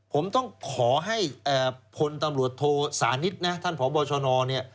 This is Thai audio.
ผมต้องขอให้ผลตำรวจโทรสานิทท่านพบชน